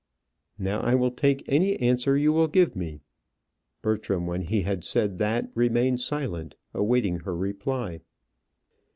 "Now I will take any answer you will give me." Bertram, when he had said that, remained silent, awaiting her reply.